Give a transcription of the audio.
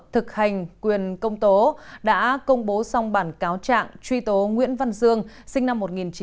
thực hành quyền công tố đã công bố xong bản cáo trạng truy tố nguyễn văn dương sinh năm một nghìn chín trăm tám mươi